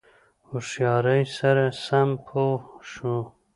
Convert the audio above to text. هوښیاری سره سم پوه شو.